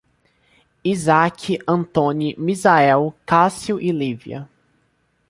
Isaque, Antoni, Misael, Cássio e Lívia